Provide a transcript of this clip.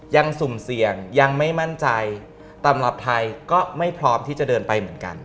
ยังสุ่มเสี่ยงยังไม่มั่นใจ